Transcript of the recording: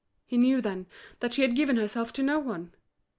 He knew, then, that she had given herself to no one!